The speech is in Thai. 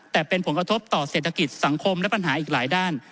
แต่เป็นผลกระทบต่อเศรษฐกิจสังคมและปัญหาอีกหลายด้าน